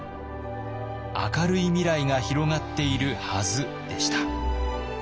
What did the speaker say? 明るい未来が広がっているはずでした。